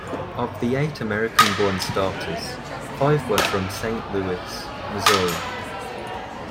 Of the eight American-born starters, five were from Saint Louis, Missouri.